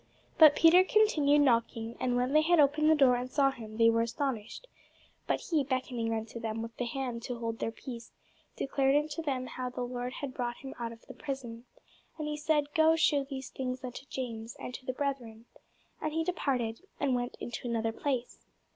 But Peter continued knocking: and when they had opened the door, and saw him, they were astonished. But he, beckoning unto them with the hand to hold their peace, declared unto them how the Lord had brought him out of the prison. And he said, Go shew these things unto James, and to the brethren. And he departed, and went into another place.